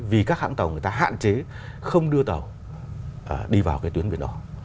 vì các hãng tàu người ta hạn chế không đưa tàu đi vào cái tuyến biển đỏ